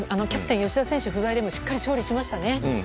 キャプテンの吉田選手不在でもしっかり勝利しましたね。